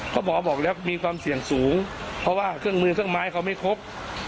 เพราะหมอบอกแล้วมีความเสี่ยงสูงเพราะว่าเครื่องมือเครื่องไม้เขาไม่ครบ